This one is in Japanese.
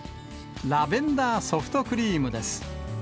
ラベンダーソフトクリームです。